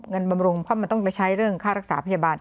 บำรุงเพราะมันต้องไปใช้เรื่องค่ารักษาพยาบาล